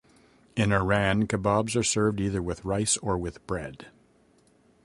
In Iran, kebabs are served either with rice or with bread.